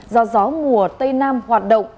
do gió mùa tây nam hoạt động